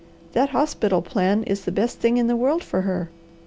That hospital plan is the best thing in the world for her.